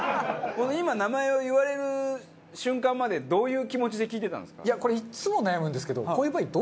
この今名前を言われる瞬間までどういう気持ちで聞いてたんですか？